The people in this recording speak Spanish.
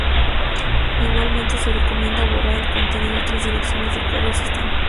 Igualmente se recomienda borrar en el contenido otras direcciones de correo si están.